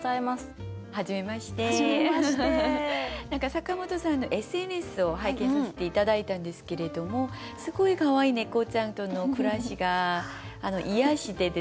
坂本さんのＳＮＳを拝見させて頂いたんですけれどもすごいかわいい猫ちゃんとの暮らしが癒やしでですね。